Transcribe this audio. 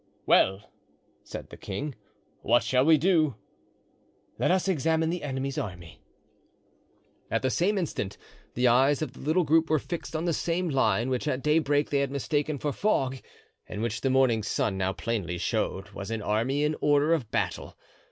"Well!" said the king, "what shall we do?" "Let us examine the enemy's army." At the same instant the eyes of the little group were fixed on the same line which at daybreak they had mistaken for fog and which the morning sun now plainly showed was an army in order of battle.